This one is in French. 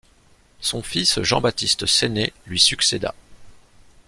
Son fils Jean-Baptiste Sené lui succéda.